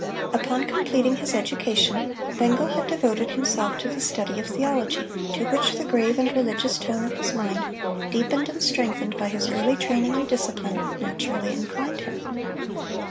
Upon completing his education, Bengel had "devoted himself to the study of theology, to which the grave and religious tone of his mind, deepened and strengthened by his early training and discipline, naturally inclined him.